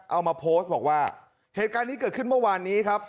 เอามาโพสต์บอกว่าเหตุการณ์นี้เกิดขึ้นเมื่อวานนี้ครับ